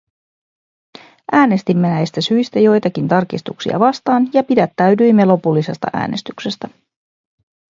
Äänestimme näistä syistä joitakin tarkistuksia vastaan ja pidättäydyimme lopullisesta äänestyksestä.